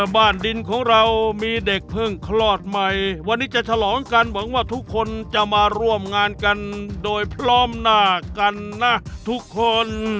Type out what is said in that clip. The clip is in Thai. บ้านดินของเรามีเด็กเพิ่งคลอดใหม่วันนี้จะฉลองกันหวังว่าทุกคนจะมาร่วมงานกันโดยพร้อมหน้ากันนะทุกคน